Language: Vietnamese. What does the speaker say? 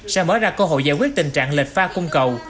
sẽ mở ra cơ hội giải quyết tình trạng lệch pha cung cầu